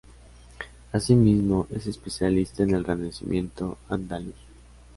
Asimismo es especialista en el Renacimiento andaluz.